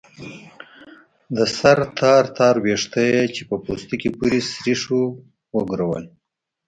د سر تار تار ويښته يې چې په پوستکي پورې سرېښ وو وګرول.